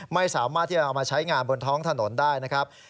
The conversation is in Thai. ไม่สามารถที่จะเอามาใช้งานบนท้องถนนได้นะครับ